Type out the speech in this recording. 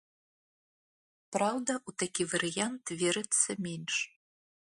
Праўда, у такі варыянт верыцца менш.